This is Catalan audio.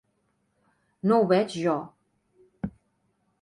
No ho veig jo.